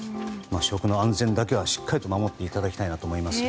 食の安全だけはしっかり守っていきたいと思いますが。